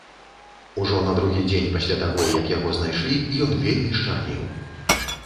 Ужо на другі дзень пасля таго, як яго знайшлі, ён вельмі счарнеў.